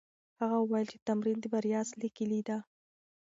هغه وویل چې تمرين د بریا اصلي کیلي ده.